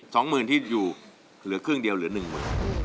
สองหมื่นที่อยู่เหลือครึ่งเดียวเหลือหนึ่งหมื่น